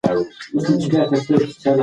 شاه محمود په خپله د جګړې په لومړۍ کرښه کې و.